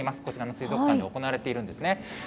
こちらの水族館で行われているんですね。